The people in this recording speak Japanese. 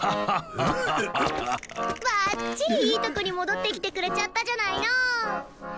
バッチリいいとこに戻ってきてくれちゃったじゃないの！